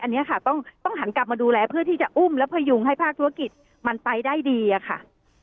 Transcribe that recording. อันนี้ค่ะต้องหันกลับมาดูแลเพื่อที่จะอุ้มและพยุงให้ภาคธุรกิจมันไปได้ดีอะค่ะ